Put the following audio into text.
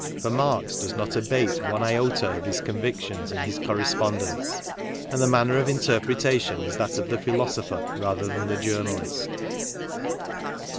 For Marx does not abate one iota of his con victions in his correspondence; and the manner of inter pretation is that of the philosopher rather than the journalist.